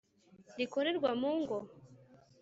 rikorerwa mu ngo?